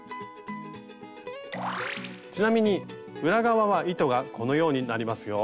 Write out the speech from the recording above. ちなみに裏側は糸がこのようになりますよ。